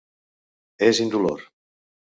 És indolor.